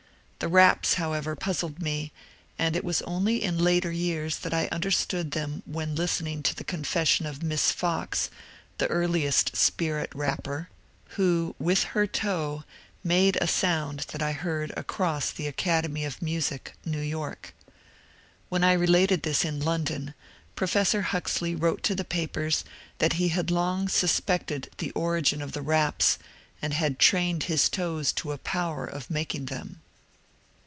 The raps, however, puzzled me, and it was only in later years that I understood them when listening to the confession of Miss Fox, the earliest spirit rapper, who with her toe made a sound that I heard across the Academy of Music, New York. When I related this in London, Professor Huxley wrote to the papers that he had long suspected the origin of the raps and had trained his toes to a power of making them.